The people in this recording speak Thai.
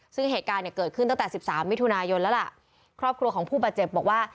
ซึ่งเหตุการณ์เนี่ยเกิดขึ้นตั้งแต่สิบสามมิถุนายนแล้วล่ะครอบครัวของผู้บาดเจ็บบอกว่า